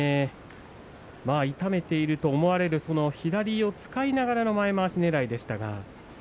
痛めていると思われる左を使いながら前まわしねらいです。